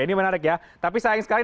ini menarik ya tapi sayang sekali